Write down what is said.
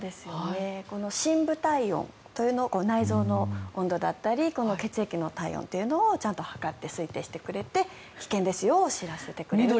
この深部体温というのを内蔵の温度であったり血液の体温というのをちゃんと測って推定してくれて危険ですよと知らせてくれる。